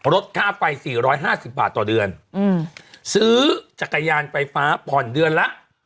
ลดค่าไฟสี่ร้อยห้าสิบบาทต่อเดือนอืมซื้อจักรยานไฟฟ้าผ่อนเดือนละ